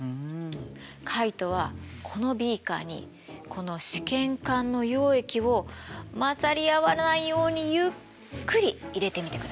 カイトはこのビーカーにこの試験管の溶液を混ざり合わないようにゆっくり入れてみてください。